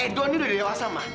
edo ini sudah dewasa ma